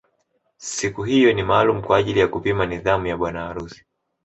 Siku hiyo ni maalum kwa ajili ya kupima nidhamu ya bwana harusi